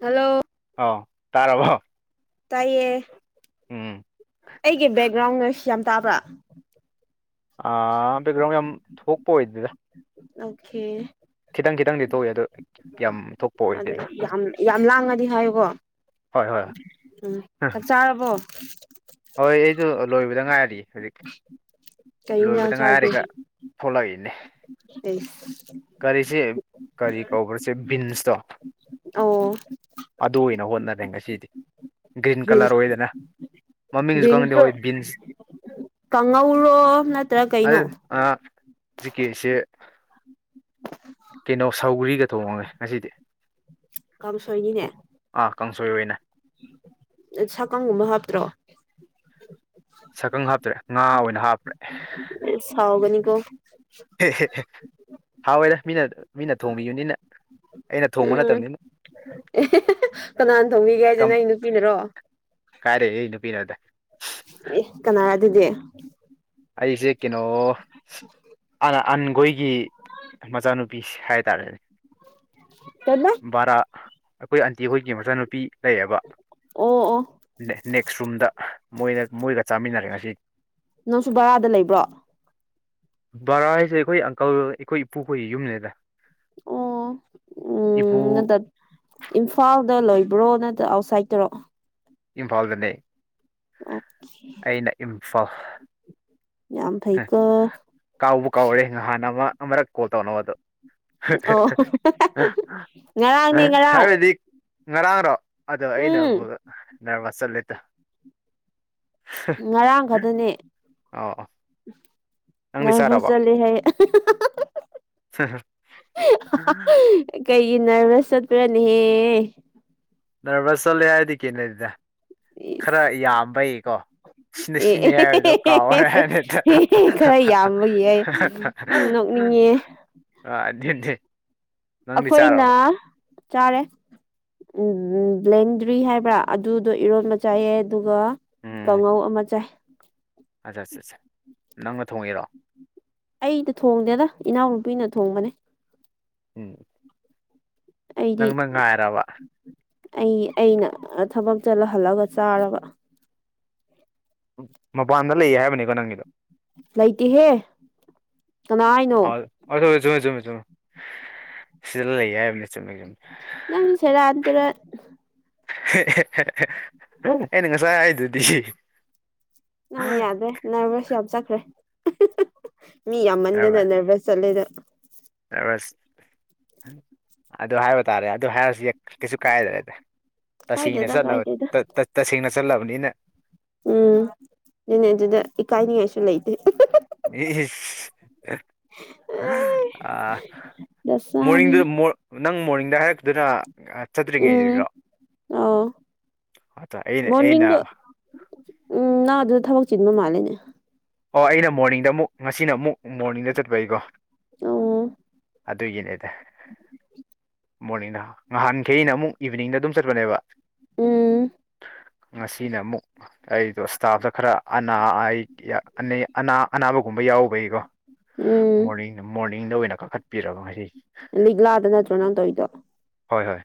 hello ꯑꯧ ꯇꯥꯔꯕꯣ ꯇꯥꯏꯌꯦ ꯎꯝ ꯑꯩꯒꯤ ꯕꯦꯛꯒ꯭ꯔꯥꯎꯟ ꯅꯣꯏꯁ ꯌꯥꯝ ꯇꯥꯕ꯭ꯔꯥ ꯑꯥ ꯕꯦꯛꯒ꯭ꯔꯥꯎꯟ ꯌꯥꯝ ꯊꯣꯛꯄ ꯑꯣꯏꯗꯦꯗ ꯑꯣꯀꯦ ꯈꯤꯇꯪ ꯈꯤꯇꯪꯗꯤ ꯊꯣꯛꯏ ꯑꯗꯣ ꯌꯥꯝ ꯊꯣꯛꯄ ꯑꯗꯨ ꯑꯣꯏꯗꯦꯗ ꯌꯥꯝ ꯌꯥꯝ ꯂꯥꯡꯉꯗꯤ ꯍꯥꯏꯌꯨꯕꯣ ꯍꯣꯏ ꯍꯣꯏ ꯎꯝ ꯆꯥꯛ ꯆꯥꯔꯕꯣ ꯍꯣꯏ ꯑꯩꯗꯣ ꯂꯣꯏꯕꯗ ꯉꯥꯏꯔꯤ ꯍꯧꯖꯤꯛ ꯀꯩ ꯏꯟꯖꯥꯡ ꯂꯣꯏꯕꯗ ꯆꯥꯒꯦ ꯉꯥꯏꯔꯤꯒ ꯊꯣꯛꯂꯛꯏꯅꯦ ꯑꯩꯁ ꯀꯔꯤꯁꯦ ꯀꯔꯤ ꯀꯧꯕ꯭ꯔꯥ ꯕꯤꯟꯁꯇꯣ ꯑꯣ ꯑꯗꯨ ꯑꯣꯏꯅ ꯍꯣꯠꯅꯔꯦ ꯉꯁꯤꯗꯤ ꯒ꯭ꯔꯤꯟ ꯀꯥꯂ꯭ꯔ ꯕꯤꯟꯁ ꯑꯣꯏꯗꯅ ꯃꯃꯤꯡꯁꯨ ꯈꯪꯗꯦ ꯕꯤꯟꯁꯇꯣ ꯍꯣꯏ ꯕꯤꯟꯁ ꯀꯥꯡꯉꯧꯔꯣ ꯅꯠꯇ꯭ꯔ ꯀꯩꯅꯣ ꯑꯥ ꯕꯤꯀꯤꯁꯁꯦ [inaudible] ꯀꯩꯅꯣ ꯁꯧꯒ꯭ꯔꯤꯒ ꯊꯣꯡꯉꯦ ꯉꯁꯤꯗꯤ ꯀꯥꯡꯁꯣꯏꯅꯤꯅꯦ ꯑꯣ, ꯑꯥ ꯀꯥꯡꯁꯣꯏ ꯑꯣꯏꯅ ꯁꯥꯀꯪꯒꯨꯝꯕ ꯍꯥꯞꯇ꯭ꯔꯣ ꯁꯥꯀꯪ ꯍꯥꯞꯇ꯭ꯔꯦ ꯉꯥ ꯑꯣꯏꯅ ꯍꯥꯞꯈ꯭ꯔꯦ ꯏꯁ ꯍꯥꯎꯒꯅꯤ ꯀꯣ ꯍꯦꯍꯦ ꯍꯥꯎꯋꯦꯗ ꯃꯤꯅ ꯃꯤꯅ ꯊꯣꯡꯕꯤꯕꯅꯤꯅ ꯑꯩꯅ ꯊꯣꯡꯕ ꯎꯝ ꯅꯠꯇꯕꯅꯤꯅ ꯀꯅꯥꯅ ꯊꯣꯡꯕꯤꯒꯦ ꯍꯥꯏꯁꯦ ꯅꯣꯏ ꯅꯨꯄꯤꯅꯔꯣ ꯀꯥꯗꯒꯤ ꯅꯨꯄꯤꯅꯣꯗ ꯑꯦ ꯀꯅꯥꯔ ꯑꯗꯨꯗꯤ ꯑꯩꯍꯧꯖꯤꯛ ꯀꯤꯅꯣ [inaudible] ꯑꯟꯒꯣꯏꯒꯤ ꯃꯆꯥꯅꯨꯄꯤꯁ ꯍꯥꯏꯇꯥꯔꯦ [inaudible] ꯕꯥꯔꯥ ꯑꯈꯣꯏ ꯑꯟꯇꯤ ꯍꯣꯏꯒꯤ ꯃꯆꯥꯅꯨꯄꯤ ꯂꯩꯌꯦꯕ ꯑꯣ ꯑꯣ ꯅꯦꯛꯁ ꯔꯨꯝꯗ ꯃꯣꯏꯅ ꯃꯣꯏꯒ ꯆꯥꯃꯤꯟꯅꯔꯦ ꯉꯁꯤ ꯅꯪꯁꯨ ꯕꯔꯥꯗ ꯂꯩꯕ꯭ꯔꯣ ꯕꯔꯥ ꯍꯥꯏꯁꯦ ꯑꯈꯣꯏ ꯑꯪꯀꯜ ꯑꯈꯣꯏ ꯏꯄꯨꯈꯣꯏꯒꯤ ꯌꯨꯝꯅꯤꯗ ꯑꯣ ꯏꯄꯨ ꯎꯝ ꯅꯠꯇ ꯏꯝꯐꯥꯜꯗ ꯂꯩ ꯕ꯭ꯔꯣ ꯅꯠꯇ ꯑꯥꯎꯠꯁꯥꯏꯗꯇꯔꯣ ꯏꯝꯐꯥꯜꯗꯅꯦ ꯑꯣꯀꯦ ꯑꯩꯅ ꯏꯝꯐꯥꯜ ꯐꯩꯀꯣ ꯀꯥꯎꯕꯨ ꯀꯥꯎꯔꯦ ꯅꯍꯥꯟ ꯑꯃ ꯑꯃꯨꯔꯛ ꯀꯣꯜ ꯇꯧꯅꯕ ꯗꯣ ꯑꯣ ꯉꯔꯥꯡꯅꯦ ꯉꯔꯥꯡ ꯍꯥꯏꯕꯗꯤ ꯉꯔꯥꯡꯔꯣ ꯑꯗꯣ ꯎꯝ ꯑꯩꯅꯕꯨ ꯅꯔꯚꯁ ꯆꯠꯂꯦꯗ ꯉꯔꯥꯡ ꯈꯛꯇꯅꯦ ꯑꯣ ꯑꯣ ꯅꯪꯗꯤ ꯆꯥꯔꯕꯣ ꯅꯔꯚꯁ ꯆꯠꯂꯦ ꯍꯥꯏꯌꯦ ꯍꯥꯍꯥꯍꯥ ꯅꯔꯚꯁ ꯍꯥꯍꯥꯍꯥ ꯀꯩꯒꯤ ꯅꯔꯚꯁ ꯆꯠꯄ꯭ꯔꯥꯅꯦꯍꯦ ꯅꯔꯚꯁ ꯆꯠꯂꯦ ꯍꯥꯏꯗꯤ ꯀꯩꯅꯣꯅꯤꯗ ꯈꯥꯔ ꯏꯁ ꯌꯥꯝꯕꯩꯀꯣ ꯁꯤꯅꯦ ꯑꯦ ꯁꯤꯅꯦ ꯍꯥꯏꯕꯗꯣ ꯀꯥꯎꯕꯒꯤ ꯋꯥꯅꯤꯗ ꯈꯔ ꯃꯤꯡꯉꯦ ꯑꯥ ꯗꯦꯟ ꯗꯦꯟ ꯑꯈꯣꯏꯅ ꯆꯥꯔꯦ ꯎꯝ ꯕ꯭ꯂꯦꯟꯗ꯭ꯔꯤ ꯍꯥꯏꯕ꯭ꯔꯥ ꯑꯗꯨꯗꯣ ꯏꯔꯣꯟꯕ ꯆꯥꯏꯌꯦ ꯑꯗꯨꯒ ꯎꯝ ꯀꯥꯡꯉꯧ ꯑꯃ ꯆꯥꯏ ꯑꯠꯆꯥ ꯑꯠꯆꯥ ꯑꯠꯆꯥ ꯅꯪꯅ ꯊꯣꯡꯉꯤꯔꯣ ꯑꯩꯗꯤ ꯊꯣꯡꯗꯦꯗ ꯏꯅꯥꯎꯅꯨꯄꯤꯅ ꯊꯣꯡꯕꯅꯦ ꯎꯝ ꯑꯩꯗꯤ ꯅꯪꯅ ꯉꯥꯏꯔꯕ ꯑꯩ ꯑꯩꯅ ꯑ ꯊꯕꯛ ꯆꯠꯂ ꯍꯜꯂꯑꯒ ꯆꯥꯔꯕ ꯑꯝ ꯃꯄꯥꯟꯗ ꯂꯩꯌꯦ ꯍꯥꯏꯕꯅꯤꯀꯣ ꯅꯪꯒꯤꯗꯣ ꯂꯩꯇꯦꯍꯦ ꯀꯅꯥ ꯑꯥ ꯍꯥꯏꯅꯣ ꯑꯗꯨ ꯖꯨ ꯆꯨꯝꯃꯤ ꯆꯨꯝꯃꯤ ꯍ ꯁꯤꯗ ꯂꯩ ꯌꯥꯏꯝꯃꯅ ꯆꯨꯝꯃꯤ ꯆꯨꯝꯃꯤ ꯅꯪꯁꯨ ꯁꯦꯔꯥꯟ ꯍ ꯇꯨꯔꯥꯟ ꯍꯦꯍꯦꯍꯦꯍꯦ ꯑꯩꯅ ꯉꯁꯥꯏ ꯍꯥꯏꯗꯨꯗꯤ ꯅꯪ ꯌꯥꯗꯦ ꯅꯔꯚꯁ ꯌꯥꯝ ꯆꯠꯈ꯭ꯔꯦ ꯃꯤ ꯌꯥꯝꯃꯟꯗꯅ ꯅꯔꯚꯁ ꯆꯠꯂꯦꯗ ꯅꯔꯚꯁ ꯑꯗꯨ ꯍꯥꯏꯕ ꯇꯥꯔꯦ ꯑꯗꯨ ꯍꯥꯏꯔꯁꯨ ꯌꯛ ꯀꯩꯁꯨ ꯀꯥꯏꯗ꯭ꯔꯦꯗ ꯇꯁꯦꯡꯅ ꯀꯥꯏꯗꯦꯗ ꯆꯠꯂꯕ ꯀꯥꯏꯗꯦꯗ ꯇ ꯇ ꯇꯁꯦꯡꯅ ꯆꯠꯂꯕꯅꯤꯅ ꯎꯝ ꯅꯤꯅꯦ ꯑꯗꯨꯗ ꯏꯀꯥꯏꯅꯤꯡꯉꯥꯏꯁꯨ ꯂꯩꯇꯦ ꯏ ꯢꯁ ꯍ ꯑꯥ ꯗꯁꯥꯅꯤ ꯃꯣꯔꯅꯤꯡꯗꯨ ꯃꯣꯔ ꯅꯪ ꯃꯣꯔꯅꯤꯡꯗ ꯍꯥꯏꯔꯛꯇꯗꯨꯅ ꯑꯥ ꯎꯝ ꯆꯠꯇ꯭ꯔꯤꯉꯩꯗꯁꯨ ꯑꯧ ꯑꯇ ꯑꯩꯅ ꯑꯩꯅ ꯃꯣꯔꯅꯤꯡꯗ ꯎꯝ ꯅꯪ ꯑꯗꯨꯗ ꯊꯕꯛ ꯆꯤꯟꯕ ꯃꯥꯜꯂꯦꯅꯦ ꯑꯣ ꯑꯩꯅ ꯃꯣꯔꯅꯤꯡꯗ ꯑꯃꯨꯛ ꯉꯁꯤꯅ ꯑꯃꯨꯛ ꯃꯣꯔꯅꯤꯡꯗ ꯆꯠꯄꯩꯀꯣ ꯎꯝ ꯑꯗꯨꯒꯤꯅꯦꯗ ꯃꯣꯔꯅꯤꯡꯗ ꯅꯍꯥꯟꯈꯩꯅ ꯑꯃꯨꯛ ꯏꯚꯤꯅꯤꯡꯗ ꯑꯗꯨꯝ ꯆꯠꯄꯅꯦꯕ ꯎꯝ ꯉꯁꯤꯅ ꯑꯃꯨꯛ ꯑꯩꯗꯣ ꯁ꯭ꯇꯥꯐꯇ ꯈꯔ ꯑꯅꯥ ꯑꯩ ꯌꯦ ꯑꯅꯦ ꯑꯅꯥ ꯑꯅꯥꯕꯒꯨꯝꯕ ꯌꯥꯎꯕꯒꯤꯀꯣ ꯎꯝ ꯃꯣꯔꯅꯤꯡ ꯃꯣꯔꯅꯤꯡꯗ ꯑꯣꯏꯅ ꯀꯥꯈꯠꯄꯤꯔꯕ ꯉꯁꯤ ꯂꯤꯛꯂꯥꯗ ꯅꯠꯇ꯭ꯔꯣ ꯅꯪ ꯇꯧꯏꯗꯣ ꯍꯣꯏ ꯍꯣꯏ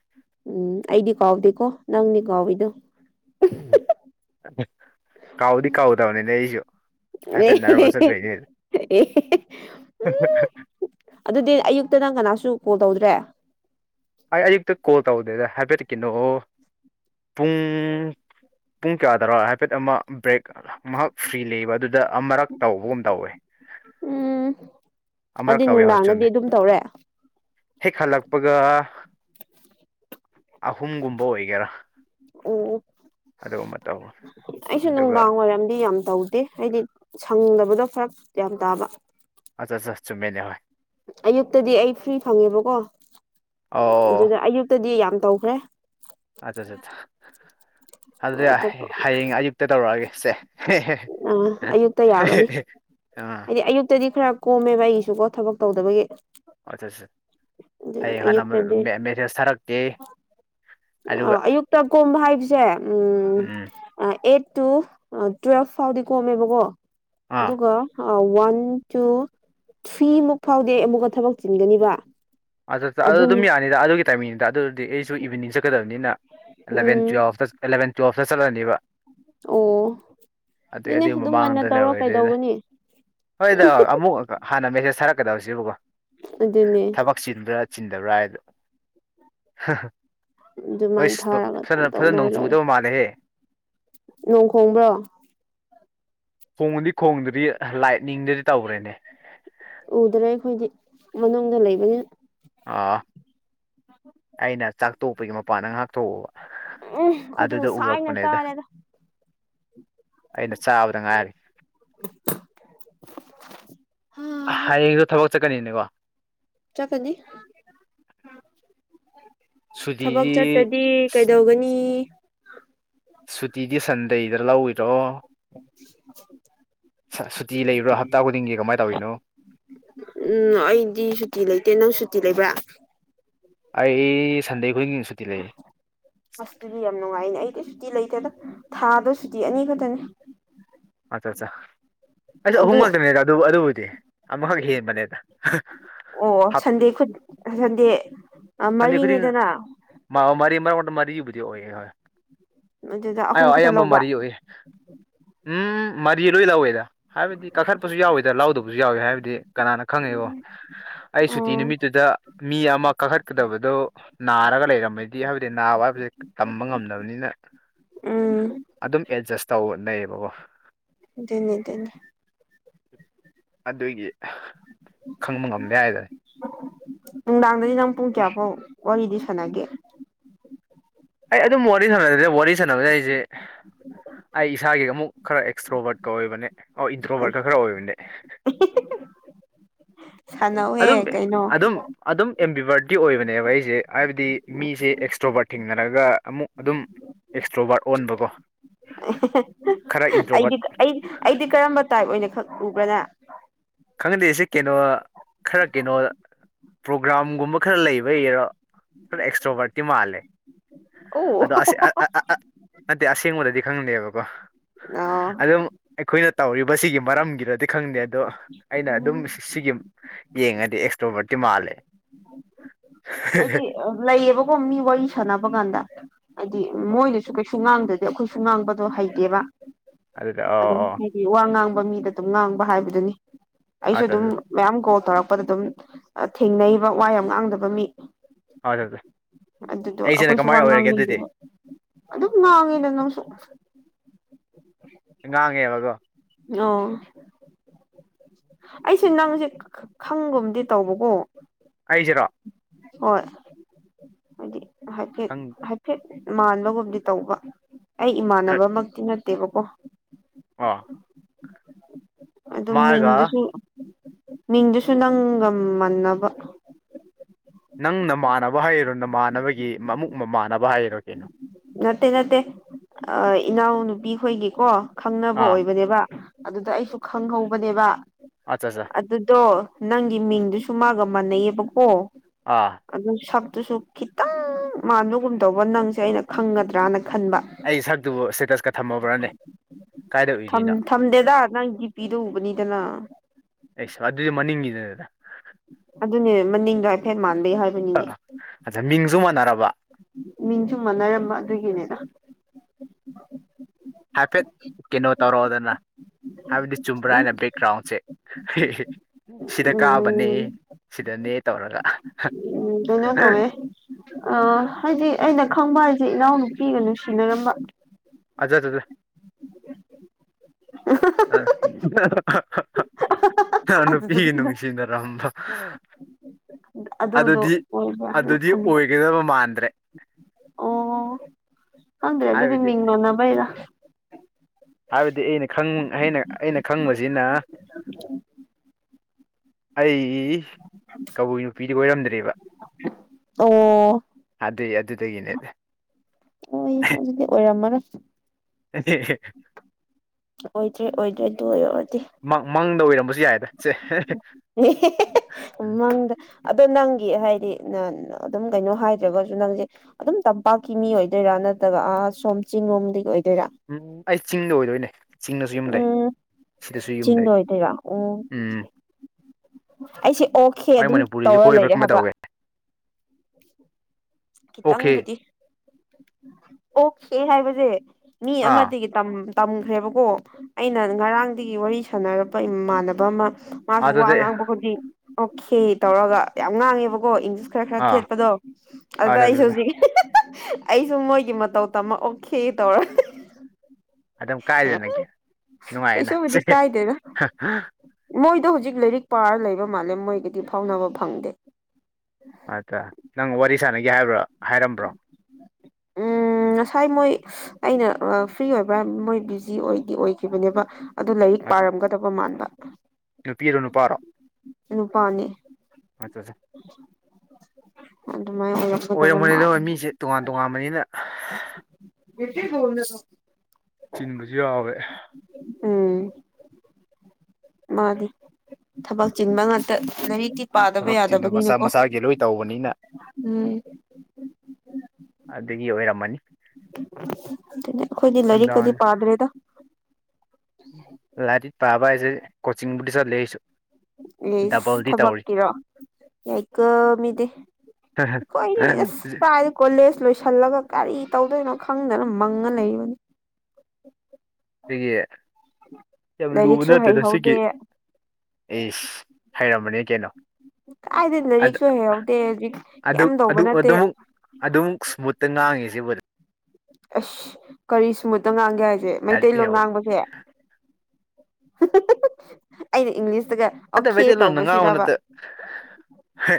ꯑꯩꯗꯤ ꯀꯥꯎꯗꯦꯀꯣ ꯅꯪꯅꯤ ꯀꯥꯎꯢꯗꯨ ꯀꯥꯎꯗꯤ ꯀꯥꯎꯗꯕꯅꯤꯗ ꯑꯩꯁꯨ ꯎ ꯍꯥꯏꯐꯦꯠ ꯅꯔꯕ ꯑꯍꯦꯍꯦꯍꯦ ꯆꯠꯄꯩꯅꯦ ꯑꯦꯍꯦꯍꯦ ꯎꯝ ꯑꯗꯨꯗꯤ ꯑꯌꯨꯛꯇ ꯅꯪ ꯀꯅꯥꯁꯨ ꯀꯣꯜ ꯇꯧꯗ꯭ꯔꯦ ꯑꯩ ꯑꯌꯨꯛꯇ ꯀꯣꯜ ꯇꯧꯗꯦꯗ ꯍꯥꯏꯐꯦꯠꯇꯤ ꯀꯩꯅꯣ ꯄꯨꯡ ꯀꯔꯤ ꯀꯌꯥꯗꯔꯥ ꯍꯥꯏꯐꯦꯠ ꯑꯃ ꯕ꯭ꯔꯦꯛ ꯑ ꯃꯍꯥꯛ ꯐ꯭ꯔꯤ ꯂꯩꯕ ꯑꯗꯨꯗ ꯑꯃꯔꯛ ꯇꯧꯕꯒꯨꯝ ꯇꯧꯋꯦ ꯎꯝ ꯑꯃꯔꯛ ꯑꯗꯨꯗꯤ ꯇꯧꯋꯦ ꯍꯣꯏ ꯅꯨꯡꯗꯥꯡꯗꯗꯤ ꯆꯨꯝꯃꯦ ꯑꯗꯨꯝ ꯇꯧꯔꯦ ꯍꯦꯛ ꯍꯜꯂꯛꯄꯒ ꯑꯍꯨꯝꯒꯨꯝꯕ ꯑꯣꯏꯒꯦꯔꯥ ꯑꯣ ꯑꯗꯨꯒꯨꯝꯕ ꯇꯧꯋꯦ ꯑꯩꯁꯨ ꯑꯗꯨꯒ ꯅꯨꯡꯗꯥꯡ ꯋꯥꯏꯔꯝꯗꯤ ꯌꯥꯝ ꯇꯧ ꯗꯦ ꯍꯥꯏꯗꯤ ꯁꯪꯗꯕꯗꯣ ꯐꯔꯛ ꯌꯥꯝ ꯇꯥꯕ ꯑꯠ ꯆꯥ ꯆꯥ ꯆꯨꯝꯃꯦꯅꯦ ꯍꯣꯏ ꯑꯌꯨꯛꯇꯗꯤ ꯑꯩ ꯐ꯭ꯔꯤ ꯐꯪꯉꯦꯕꯀꯣ ꯑꯝ ꯑꯣ ꯑꯗꯨꯗ ꯑꯌꯨꯛꯇꯗꯤ ꯌꯥꯝ ꯇꯧꯈ꯭ꯔꯦ ꯑꯠꯆꯥ ꯆ ꯆ ꯑꯗꯨꯗꯤ ꯍ ꯑꯇꯣꯞꯄ ꯍꯌꯦꯡ ꯑꯌꯨꯛꯇ ꯇꯧꯔꯛꯑꯒꯦ ꯁꯦ ꯍꯦꯍꯦ ꯎꯝ ꯑꯌꯨꯛꯇ ꯌꯥꯒꯅꯤ ꯍꯥꯏꯗꯤ ꯑꯌꯨꯛꯇꯗꯤ ꯈꯔ ꯀꯣꯝꯃꯦꯕ ꯑꯩꯒꯤꯁꯨꯀꯣ ꯊꯕꯛ ꯇꯧꯗꯕꯒꯤ ꯑ ꯆ ꯆ ꯑꯗꯨꯒꯤ ꯍꯌꯦꯡ ꯍꯥꯟꯅ ꯃ ꯑꯌꯨꯛꯇꯗꯤ ꯃꯦ ꯃꯦꯁꯦꯁ ꯊꯥꯔꯛꯀꯦ ꯑꯗꯨꯒ ꯑꯥꯎ ꯑꯌꯨꯛꯇꯀꯣꯝꯕ ꯍꯥꯏ ꯁꯤꯁꯦ ꯎꯝ ꯑ ꯑꯦꯠ ꯇꯨ ꯇꯨꯋꯦꯜꯐ ꯐꯥꯎꯗꯤ ꯀꯣꯝꯃꯦꯕꯀꯣ ꯑꯥ ꯑꯗꯨꯒ ꯑ ꯋꯥꯟ ꯇꯨ ꯊ꯭ꯔꯤꯃꯨꯛ ꯐꯥꯎꯗꯤ ꯑꯃꯨꯛꯀ ꯊꯕꯛ ꯆꯤꯟꯒꯅꯤꯕ ꯑꯗꯨꯗ ꯑꯗꯨ ꯑꯗꯨꯝ ꯌꯥꯅꯤꯗ ꯑꯗꯨꯒꯤ ꯇꯥꯏꯃꯤꯅꯤꯗ ꯑꯗꯨ ꯥꯑꯩꯁꯨ ꯏꯚꯤꯅꯤꯡ ꯆꯠꯀꯗꯕꯅꯤꯅ ꯑꯦꯂꯚꯦꯟ ꯎꯝ ꯇꯨꯌꯦꯜꯞꯇ ꯑꯦꯂꯚꯦꯟ ꯇꯨꯌꯦꯜꯞꯇ ꯆꯠꯂꯅꯤꯕ ꯑꯣ ꯑꯗꯨꯏ ꯑꯗꯨꯅꯦ ꯑꯗꯨꯏ ꯑꯗꯨꯝ ꯉꯟꯅ ꯃꯃꯥꯡꯗꯅꯦ ꯇꯧꯔꯣ ꯑꯣꯏꯗꯣꯢꯗꯣ ꯀꯩꯗꯧꯒꯅꯤ ꯍꯣꯏꯗ ꯑꯃꯨꯛ ꯍꯥꯟꯅ ꯃꯦꯁꯦꯖ ꯊꯔꯛ ꯀꯗꯁꯤꯕꯨ ꯀꯣ ꯑꯗꯨꯅꯦ ꯔꯥꯠꯆꯤꯟꯗ ꯔꯥꯠ ꯍꯥ ꯍꯥ ꯑꯗꯨꯃꯥꯏꯅ ꯍꯩꯁ ꯊꯥꯔꯒ ꯑꯗꯨꯝ ꯈꯔ ꯈꯔ ꯇꯧꯅꯔ ꯅꯣꯡ ꯂꯣꯏꯔꯦ ꯆꯨꯗꯧꯕ ꯃꯥꯜꯂꯦꯍꯦ ꯅꯣꯡ ꯈꯣꯡꯕ꯭ꯔꯣ ꯈꯣꯡꯕꯗꯤ ꯈꯣꯡꯗ꯭ꯔꯤ ꯂꯥꯏꯠꯅꯤꯡꯗꯗꯤ ꯇꯧꯔꯦꯅꯦ ꯎꯗ꯭ꯔꯦ ꯑꯩꯈꯣꯏꯗꯤ ꯃꯅꯨꯡꯗ ꯂꯩꯕꯅꯤ ꯑꯥ ꯑꯩꯅ ꯆꯥꯛ ꯇꯣꯛꯄꯒꯤ ꯃꯄꯥꯟꯗ ꯉꯥꯏꯍꯥꯛ ꯊꯣꯛꯎꯕ ꯎꯝ ꯑꯈꯣꯏꯗꯤ ꯑꯗꯨꯗ ꯉꯁꯥꯏꯅ ꯎꯔꯛꯄꯅꯦꯗ ꯆꯥꯔꯦ ꯑꯩꯅ ꯆꯥꯕꯗ ꯉꯥꯏꯔꯤ [inaudible] ꯍꯌꯦꯡꯁꯨ ꯊꯕꯛ ꯆꯠꯀꯅꯤꯅꯦꯀꯣ ꯆꯠꯀꯅꯤ ꯊꯕꯛ ꯁꯨꯇꯤꯗꯤ ꯆꯠꯇ꯭ꯔꯗꯤ ꯀꯩꯗꯧꯒꯅꯤ ꯁꯨꯇꯤꯗꯤ ꯁꯟꯗꯦꯗ ꯂꯧꯏꯔꯣ [inaudible] ꯁ ꯁꯨꯇꯤ ꯂꯩꯕ꯭ꯔꯣ ꯍꯞꯇꯥ ꯈꯨꯗꯤꯡꯒꯤ ꯀꯃꯥꯏ ꯇꯧꯔꯤꯅꯣ ꯎꯝ ꯑꯩꯗꯤ ꯁꯨꯇꯤ ꯂꯩꯇꯦ ꯅꯪ ꯁꯨꯇꯤ ꯂꯩꯕ꯭ꯔꯥ ꯑꯩ ꯁꯟꯗꯦ ꯈꯨꯗꯤꯡ ꯑꯁ ꯑꯗꯨꯗꯤ ꯌꯥꯝ ꯅꯨꯡꯉꯥꯏꯅꯦ ꯑꯩ ꯁꯨꯇꯤ ꯂꯩꯇꯦꯗ ꯊꯥꯗꯣ ꯁꯨꯇꯤ ꯑꯅꯤ ꯈꯛꯇꯅꯤ ꯑ ꯑꯠꯆꯥ ꯑꯩꯁꯨ ꯑꯍꯨꯝ ꯈꯛꯇꯅꯦꯗ ꯑꯗꯨ ꯑꯗꯨꯕꯨꯗꯤ ꯑꯃꯈꯛ ꯍꯦꯟꯕꯅꯦꯗ ꯑꯣ ꯍꯞ ꯁꯟꯗꯦ ꯈꯨꯠ ꯁꯟꯗꯦ ꯁꯟꯗꯦ ꯈꯨꯗꯤꯡ ꯃꯔꯤꯅꯤꯗꯅ ꯃꯥ ꯃꯔꯤ ꯃꯔꯛ ꯃꯔꯛꯗ ꯃꯔꯤꯕꯨꯗꯤ ꯑꯣꯏꯌꯦ ꯍꯣꯏ ꯑꯗꯨꯗ ꯑꯍꯨꯝ ꯑ ꯈꯛꯇ ꯑꯌꯥꯝꯕ ꯂꯧꯕ ꯃꯔꯤ ꯑꯣꯏ ꯎꯝ ꯃꯔꯤ ꯂꯣꯏ ꯂꯧꯋꯦꯗ ꯍꯥꯏꯕꯗꯤ ꯀꯥꯛꯊꯠꯄꯁꯨ ꯌꯥꯎꯋꯦꯗ ꯂꯧꯗꯕꯁꯨ ꯌꯥꯎꯋꯤ ꯍꯥꯏꯕꯗꯤ ꯀꯅꯥꯅ ꯈꯪꯉꯦꯕꯣ ꯑꯩ ꯑꯣ ꯁꯨꯇꯤ ꯅꯨꯃꯤꯠꯇꯨꯗ ꯃꯤ ꯑꯃ ꯀꯥꯈꯠ ꯀꯗꯕꯗꯣ ꯅꯥꯔꯒ ꯂꯩꯔꯝꯃꯗꯤ ꯍꯥꯏꯕꯗꯤ ꯅꯥꯕ ꯍꯥꯏꯕꯁꯦ ꯇꯝꯕ ꯉꯝꯗꯕꯅꯤꯅ ꯎꯝ ꯑꯗꯨꯝ ꯑꯦꯠꯖꯁ ꯇꯧꯅꯩꯌꯦꯕꯀꯣ ꯑꯗꯨꯅꯤ ꯑꯗꯨꯅꯤ ꯑꯗꯨꯒꯤ ꯈꯪꯕ ꯉꯝꯗꯦ ꯍꯥꯏꯗ ꯅꯨꯡꯗꯥꯡꯗꯗꯤ ꯅꯪ ꯄꯨꯡ ꯀꯌꯥ ꯐꯥꯎ ꯋꯥꯔꯤꯗꯤ ꯁꯥꯟꯅꯒꯦ ꯑꯩ ꯑꯗꯨꯝ ꯋꯥꯔꯤ ꯁꯥꯟꯅꯗꯦ ꯋꯥꯔꯤ ꯁꯥꯟꯅꯕꯁꯦ ꯑꯩꯁꯦ ꯑꯩ ꯏꯁꯥꯒꯤ ꯑꯃꯨꯛ ꯈꯔ ꯑꯦꯛꯁꯇ꯭ꯔꯣꯕꯔꯠꯀ ꯑꯣꯏꯕꯅꯦ ꯑꯣ ꯑꯩ ꯏꯟꯊ꯭ꯔꯣꯕꯔꯠꯀ ꯈꯔ ꯑꯣꯏꯕꯅꯦ [inaudible] ꯁꯥꯟꯅꯧꯍꯦ ꯑꯗꯨꯝ ꯀꯩꯅꯣ ꯑꯗꯨꯝ ꯑꯗꯨꯝ ꯑꯦꯝ ꯕꯤ ꯕꯔꯗ ꯀꯤ ꯑꯣꯏꯕꯅꯦꯕ ꯑꯩꯁꯦ ꯍꯥꯏꯕꯗꯤ ꯃꯤꯁꯦ ꯑꯦꯛꯁꯇ꯭ꯔꯣꯕꯔꯠ ꯊꯦꯡꯅꯔꯒ ꯑꯃꯨꯛ ꯑꯗꯨꯝ ꯑꯦꯛꯁꯇ꯭ꯔꯣꯕꯥꯔꯠ ꯑꯣꯟꯕꯀꯣ ꯈꯔ ꯑꯩꯗꯤ ꯏꯟꯇ꯭ꯔꯣꯕꯥꯔꯠ ꯑꯩ ꯑꯩꯗꯤ ꯀꯔꯝꯕ ꯇꯥꯏꯞ ꯑꯣꯏꯅ ꯈꯪ ꯎꯕ꯭ꯔ ꯅꯪ ꯈꯪꯍꯟꯗꯦꯁꯦ ꯀꯩꯅꯣ ꯈꯔ ꯀꯩꯅꯣ ꯄ꯭ꯔꯣꯒ꯭ꯔꯥꯝꯒꯨꯝꯕ ꯈꯔ ꯂꯩꯕ ꯏꯔꯣ ꯑꯗꯣ ꯑꯦꯛꯁꯇ꯭ꯔꯣꯕꯔꯠꯇꯤ ꯃꯥꯜꯂꯦ ꯑꯣ ꯑꯗꯣ ꯑꯁꯦ ꯑꯠ ꯑꯠ ꯑ ꯅꯠꯇꯦ ꯑꯁꯦꯡꯕꯗꯗꯤ ꯈꯪꯗꯦꯕꯀꯣ ꯑꯣ ꯑꯗꯨꯝ ꯑꯩꯈꯣꯏꯅ ꯇꯧꯔꯤꯕꯁꯤꯒꯤ ꯃꯔꯝꯒꯤꯔꯗꯤ ꯈꯪꯗꯦ ꯑꯗꯣ ꯑꯩꯅ ꯑꯗꯨꯝ ꯎꯝ ꯁꯤꯒꯤ ꯌꯦꯡꯉꯗꯤ ꯑꯦꯛꯁꯇ꯭ꯔꯣꯕꯔꯠꯇꯤ ꯃꯥꯜꯂꯦ ꯍꯥꯏꯗꯤ ꯂꯩꯌꯦꯕꯀꯣ ꯃꯤ ꯋꯥꯔꯤ ꯁꯥꯟꯅꯕ ꯀꯥꯟꯗ ꯍꯥꯏꯗꯤ ꯃꯣꯏꯅꯁꯨ ꯀꯩꯁꯨ ꯉꯥꯡꯗ ꯑꯗ ꯑꯩꯈꯣꯏꯁꯨ ꯉꯥꯡꯕꯗꯣ ꯍꯩꯇꯦꯕ ꯑꯗꯨꯗ ꯑꯣ ꯑꯗꯨꯝ ꯑꯣ ꯍꯥꯏꯗꯤ ꯋꯥ ꯉꯥꯡꯕ ꯃꯤꯗ ꯑꯗꯨꯝ ꯉꯥꯡꯕ ꯍꯥꯏꯕꯗꯨꯅꯤ ꯑꯩꯁꯨ ꯑꯠꯆꯥ ꯑꯗꯨꯝ ꯃꯌꯥꯝ ꯀꯣꯜ ꯇꯧꯔꯛꯄꯗ ꯑꯗꯨꯝ ꯊꯦꯡꯅꯩꯌꯦꯕ ꯋꯥ ꯌꯥꯝ ꯉꯥꯡꯗꯕ ꯃꯤ ꯑꯗꯨꯅꯦ ꯑꯗꯨꯗꯣ ꯑꯩꯈꯣꯏꯁꯨ ꯋꯥ ꯉꯥꯡꯅꯤꯡꯗꯦ ꯑꯗꯨꯝ ꯉꯥꯡꯉꯦꯗ ꯅꯪꯁꯨ ꯉꯥꯡꯉꯦꯕꯀꯣ ꯅꯣ ꯑꯩꯁꯦ ꯅꯪꯁꯦ ꯈꯪꯒꯨꯝꯕꯗꯤ ꯇꯧꯕꯀꯣ ꯑꯩꯁꯤꯔꯣ ꯍꯣꯏ ꯍꯥꯏꯗꯤ ꯍꯥꯏꯐꯦꯠ ꯅꯪ ꯍꯥꯏꯐꯦꯠ ꯃꯥꯟꯕꯒꯨꯝꯗꯤ ꯇꯧꯕ ꯑꯩ ꯏꯃꯥꯟꯅꯕꯃꯛꯇꯤ ꯅꯠꯇꯦꯕꯀꯣ ꯑꯥ [inaudible] ꯑꯗꯨ ꯃꯤꯡꯗꯨꯁꯨ ꯃꯤꯡꯗꯨꯁꯨ ꯅꯪꯒ ꯃꯟꯅꯕ ꯅꯪ ꯅꯃꯥꯟꯅꯕ ꯍꯥꯏꯔꯣ ꯅꯃꯥꯟꯅꯕꯒꯤ ꯃꯃꯨꯛ ꯃꯃꯥꯟꯅꯕ ꯍꯥꯏꯔꯣ ꯀꯩꯅꯣ ꯅꯠꯇꯦ ꯅꯠꯇꯦ ꯑ ꯏꯅꯥꯎ ꯅꯨꯨꯄꯤꯈꯣꯏꯒꯤꯀꯣ ꯈꯪꯅꯕ ꯑꯥ ꯑꯣꯏꯕꯅꯦꯕ ꯑꯗꯨꯗ ꯑꯩꯁꯨ ꯈꯪꯍꯧꯕꯅꯦꯕ ꯑꯠꯆꯥ ꯑꯠꯆꯥ ꯑꯗꯨꯗꯣ ꯅꯪꯒꯤ ꯃꯤꯡꯗꯨꯁꯨ ꯃꯥꯒ ꯃꯥꯟꯅꯩꯌꯦꯕꯀꯣ ꯑꯥ ꯑꯗꯨ ꯁꯛꯇꯨꯁꯨ ꯈꯤꯇꯪ ꯃꯥꯟꯕꯒꯨꯝ ꯇꯧ ꯀꯣ ꯅꯪꯁꯦ ꯑꯩꯅ ꯈꯪꯒꯗ꯭ꯔꯥꯅ ꯑꯩ ꯁꯛꯇꯨꯕꯨ ꯏꯁꯇꯦꯇꯁꯀ ꯊꯝꯃꯕ꯭ꯔꯅꯦ ꯊꯝ ꯊꯝꯗꯦꯗ ꯅꯪ ꯗꯤꯄꯤꯗꯨ ꯎꯕꯅꯤꯗꯅ ꯑꯦ ꯑꯗꯨꯅꯦ ꯃꯅꯤꯡꯗ ꯍꯥꯏꯐꯦꯠ ꯃꯥꯜ ꯂꯦ ꯍꯥꯏꯕꯅꯤꯅꯦ ꯑꯠꯆꯥ ꯃꯤꯡꯁꯨ ꯃꯥꯟꯅꯔꯕ ꯃꯤꯡꯁꯨ ꯃꯥꯟꯅꯔꯝꯕ ꯑꯗꯨꯒꯤꯅꯤꯗ [inaudible] ꯍꯥꯏꯐꯦꯠ ꯀꯩꯅꯣ ꯇꯧꯔꯛꯑꯣꯗꯅ ꯍꯥꯏꯕꯗꯤ ꯆꯨꯝꯕ꯭ꯔꯥ ꯍꯥꯏꯅ ꯕꯦꯛꯒ꯭ꯔꯥꯎꯟꯁꯦ ꯁꯤꯗ ꯀꯥꯕꯅꯦ ꯎꯝ ꯁꯤꯗꯅꯦ ꯇꯧꯔꯒ ꯎꯝ ꯀꯩꯅꯣ ꯇꯧꯋꯦ ꯑ ꯍꯥꯏꯗꯤ ꯑꯩꯅ ꯈꯪꯕ ꯍꯥꯏꯁꯦ ꯏꯅꯥꯎꯅꯨꯄꯤꯒ ꯅꯨꯡꯁꯤꯅꯔꯝꯕ ꯊꯥꯖꯗꯦꯗ ꯍ ꯍ ꯍ ꯍ ꯅꯨꯄꯤꯒꯤ ꯑꯗꯨꯗꯨꯅ ꯅꯨꯡꯁꯤꯅꯔꯝꯕ ꯑꯗꯨꯗꯣ ꯑꯗꯨꯗꯤ ꯑꯣꯏꯕ꯭ꯔꯥꯅ ꯑꯗꯨꯗꯤ ꯈꯟꯕ ꯑꯣꯏꯒꯗꯕ ꯃꯥꯟꯗ꯭ꯔꯦ ꯑꯣ ꯈꯪꯗ꯭ꯔꯦ ꯑꯗꯨꯗꯤ ꯍꯥꯏꯕꯗꯤ ꯃꯤꯡ ꯃꯅꯥꯕꯩꯔ ꯍꯥꯏꯕꯗꯤ ꯑꯩꯅ ꯈꯪ ꯑꯩꯅ ꯑꯩꯅ ꯈꯪꯕꯁꯤꯅ ꯑꯩꯒꯤ ꯀꯕꯨꯏ ꯅꯨꯄꯤꯗꯤ ꯑꯣꯏꯔꯝꯗ꯭ꯔꯤꯕ ꯑꯣ ꯑꯗꯨꯏ ꯑꯗꯨꯒꯤꯅꯦ ꯍꯣꯢ ꯑꯗꯨꯗꯤ ꯑꯣꯏꯔꯝꯃꯔꯣꯏ ꯑꯣꯏꯗ꯭ꯔꯦ ꯑꯣꯏꯗ꯭ꯔꯦ ꯑꯗꯨ ꯑꯣꯏꯔ ꯃꯪ ꯃꯪꯗ ꯑꯣꯏꯔꯝꯕꯁꯨ ꯌꯥꯏ ꯍꯦ ꯍꯦ ꯍꯦ ꯍꯦ ꯃꯪꯗ ꯑꯗꯣ ꯅꯪ ꯗꯤ ꯍꯥꯏꯗꯤ ꯅ ꯑꯗꯨꯝ ꯀꯩꯅꯣ ꯍꯥꯏꯗ꯭ꯔꯒꯁꯨ ꯅꯪꯁꯦ ꯑꯗꯨꯝ ꯇꯝꯄꯥꯛꯀꯤ ꯃꯤ ꯑꯣꯏꯗꯣꯏꯔꯥ ꯅꯠꯇ꯭ꯔꯒ ꯑ ꯑ ꯁꯣꯝ ꯆꯤꯡꯔꯣꯝꯗꯒꯤ ꯑꯣꯏꯗꯣꯏꯔ ꯎꯝ ꯑꯩ ꯆꯤꯡꯗ ꯑꯣꯏꯗꯣꯏꯅꯦ ꯆꯤꯡꯗꯁꯨ ꯌꯨꯝ ꯂꯩ ꯎꯝ ꯁꯤꯗꯁꯨ ꯌꯨꯝ ꯆꯤꯡꯗ ꯂꯩ ꯑꯣꯏꯗꯣꯏꯔꯥ ꯑꯣ ꯎꯝ ꯑꯩꯁꯦ ꯑꯣꯀꯦ ꯑꯩ ꯑꯗꯨꯝ ꯃꯅꯤꯄꯨꯔꯤꯁꯤ ꯇꯧꯔ ꯀꯣꯏꯕ꯭ꯔꯥ ꯂꯩꯔꯦ ꯀꯃꯥꯏꯅ ꯍꯥꯏꯕ ꯇꯧꯒꯦ ꯑꯣꯀꯦ ꯈꯤꯇꯪꯕꯨꯗꯤ ꯑꯣꯀꯦ ꯍꯥꯏꯕꯅꯦ ꯃꯤ ꯑꯥ ꯑꯃꯗꯒꯤ ꯇꯝ ꯇꯝꯈ꯭ꯔꯦꯕꯀꯣ ꯑꯩꯅ ꯉꯔꯥꯡꯗꯒꯤ ꯋꯥꯔꯤ ꯁꯥꯟꯅꯔꯛꯄ ꯏꯃꯥꯟꯅꯕ ꯑꯃ ꯃꯥꯁꯨ ꯋꯥ ꯑꯗꯨꯗꯤ ꯉꯥꯡꯕ ꯈꯨꯗꯤꯡ ꯑꯣꯀꯦ ꯇꯧꯔꯒ ꯌꯥꯝ ꯉꯥꯡꯉꯦꯕꯀꯣ ꯢꯪꯂꯤꯁ ꯈꯔ ꯈꯔ ꯑꯥ ꯊꯦꯠꯄꯗꯣ ꯑꯗꯨꯗ ꯑꯩꯁꯨ ꯍꯧꯖꯤꯛ ꯍꯦꯍꯦ ꯍꯥ ꯑꯩꯁꯨ ꯃꯣꯏꯒꯤ ꯃꯇꯧ ꯇꯝꯃꯒ ꯑꯣꯀꯦ ꯇꯧꯔ ꯑꯗꯨꯝ ꯀꯥꯏꯗꯅꯦꯒꯦ ꯅꯨꯡꯉꯥꯏꯌꯦꯅ ꯀꯩꯁꯨꯕꯨꯗꯤ ꯁꯤꯁꯍꯦ ꯀꯥꯏꯗꯦꯗ ꯍꯥꯍꯥ ꯃꯣꯏꯗꯣ ꯍꯧꯖꯤꯛ ꯂꯥꯏꯔꯤꯛ ꯄꯥꯔ ꯂꯩꯕ ꯃꯥꯜꯂꯦ ꯃꯣꯏꯒꯗꯤ ꯐꯥꯎꯅꯕ ꯐꯪꯗꯦ ꯑꯠꯆꯥ ꯅꯪ ꯋꯥꯔꯤ ꯁꯥꯟꯅꯒꯦ ꯍꯥꯏꯕ꯭ꯔꯣ ꯍꯥꯏꯔꯝꯕ꯭ꯔꯣ ꯎꯝ ꯉꯁꯥꯏ ꯃꯣꯏ ꯑꯩꯅ ꯑ ꯐ꯭ꯔꯤ ꯑꯣꯏꯕ꯭ꯔꯥ ꯃꯣꯏ ꯕꯤꯖꯤ ꯑꯣꯏꯗꯤ ꯑꯣꯏꯈꯤꯕꯅꯦꯕ ꯑꯗꯨ ꯂꯥꯏꯔꯤꯛ ꯑꯠꯆꯥ ꯄꯥꯔꯝꯒꯗꯕ ꯃꯥꯟꯕ ꯅꯨꯄꯤꯔꯣ ꯅꯨꯄꯥꯔꯣ ꯅꯨꯄꯥꯥꯅꯦ ꯑꯠꯆꯥ ꯑꯠꯆꯥ ꯑꯣꯏꯔꯝꯃꯣꯏ ꯑꯗꯣ ꯃꯥꯜꯂꯦ ꯃꯤꯁꯦ ꯇꯣꯉꯥꯟ ꯇꯣꯉꯥꯟꯕꯅꯤꯅ ꯕꯦꯇ꯭ꯔꯤ ꯐꯨꯜꯅ ꯇꯧ ꯆꯤꯟꯕꯁꯨ ꯌꯥꯎꯔꯦ ꯎꯝ ꯃꯥꯅꯤ ꯊꯕꯛ ꯆꯤꯟꯕ ꯉꯥꯛꯇ ꯂꯥꯏꯔꯤꯛꯇꯤ ꯄꯥꯗꯕ ꯊꯕꯛ ꯆꯤꯟꯕ ꯃꯁꯥ ꯌꯥꯗꯕꯅꯤꯅꯀꯣ ꯃꯁꯥꯒꯤ ꯂꯣꯏ ꯇꯧꯕꯅꯤꯅ ꯎꯝ ꯑꯗꯨꯒꯤ ꯑꯣꯏꯔꯝꯃꯅꯤ ꯑꯗꯨꯅꯦ ꯑꯩꯈꯣꯏꯗꯤ ꯂꯥꯏꯔꯤꯛꯀꯗꯤ ꯄꯥꯗ꯭ꯔꯦꯗ ꯂꯥꯢꯔꯤꯛ ꯄꯥꯕ ꯍꯥꯢꯁꯦ ꯀꯣꯆꯤꯡꯕꯨꯗꯤ ꯆꯠꯂꯦ ꯑꯩꯁꯨ ꯑꯤꯁ ꯗꯕꯜꯗꯤ ꯇꯧꯔꯤ ꯊꯕꯛꯀꯤꯔꯣ ꯌꯥꯏꯀꯣ ꯃꯤꯗꯤ ꯑꯩꯗꯣꯏꯗꯤ ꯑꯁ ꯀꯥꯢꯗꯩ ꯀꯣꯂꯦꯁ ꯂꯣꯏꯁꯜꯂꯒ ꯀꯔꯤ ꯇꯧꯗꯣꯏꯅꯣ ꯈꯪꯗꯅ ꯃꯪꯉ ꯂꯩꯕꯅꯦ ꯑꯦ ꯌꯥꯝ ꯂꯨꯕ ꯂꯥꯏꯔꯤꯛꯁꯨ ꯅꯠꯇꯦꯅ ꯁꯤꯒꯤ ꯍꯩꯍꯧꯗꯦ ꯏꯁ ꯍꯩꯔꯝꯕꯅꯦ ꯀꯩꯅꯣ ꯀꯥꯏꯗꯩ ꯑꯗ ꯂꯥꯏꯔꯤꯛꯁꯨ ꯍꯩꯍꯧꯗꯦ ꯍꯧꯖꯤꯛ ꯑꯗꯨ ꯀꯩꯝ ꯇꯧꯕ ꯑꯗꯨ ꯅꯠꯇꯦ ꯑꯗꯨꯃꯨꯛ ꯑꯗꯨꯃꯨꯛ ꯁꯃꯨꯠ ꯇ ꯉꯥꯡꯉꯤꯁꯤꯕꯨ ꯑꯁ ꯀꯔꯤ ꯁꯃꯨꯠꯇ ꯉꯥꯡꯒꯦ ꯍꯥꯏꯁꯦ ꯂꯥꯏꯔꯤꯛ ꯃꯩꯇꯩꯂꯣꯟ ꯍꯩꯍꯧꯕ ꯉꯥꯡꯕꯁꯦ ꯍꯥꯍꯥꯍꯥꯍꯥ ꯑꯩꯅ ꯏꯪꯂꯤꯁ ꯑꯗꯣ ꯃꯩꯇꯩ ꯂꯣꯟꯗ ꯉꯥꯡꯕ ꯅꯠꯇꯦ ꯍꯦ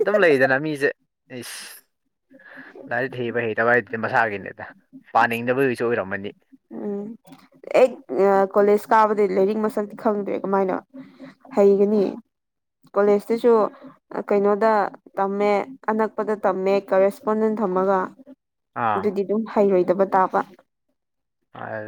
ꯑꯗꯨꯝ ꯂꯩꯗꯅ ꯃꯤꯁꯦ ꯢꯁ ꯂꯥꯏꯔꯤꯛ ꯍꯩꯕ ꯍꯩꯇꯕ ꯍꯥꯏꯗꯨꯗꯤ ꯃꯁꯥꯒꯤꯅꯦꯗ ꯄꯥꯅꯤꯡꯗꯕꯒꯤꯁꯨ ꯑꯣꯏꯔꯝꯃꯅꯤ ꯎꯝ ꯑꯩ ꯑ ꯀꯣꯂꯦꯖ ꯀꯥꯕꯗꯩ ꯂꯥꯏꯔꯤꯛ ꯃꯁꯛ ꯈꯪꯗꯦ ꯀꯃꯥꯏꯅ ꯍꯩꯒꯅꯤ ꯀꯣꯂꯦꯖꯇꯁꯨ ꯑ ꯀꯩꯅꯣꯗ ꯇꯝꯃꯦ ꯑꯅꯛꯄꯗ ꯇꯝꯃꯦ ꯀꯔꯦꯁꯄꯣꯟꯗꯦꯟ ꯊꯝꯃꯒ ꯑꯥ ꯑꯗꯨꯗꯤ ꯑꯗꯨꯝ ꯍꯩꯔꯣꯏꯗꯕ ꯇꯥꯕ ꯑ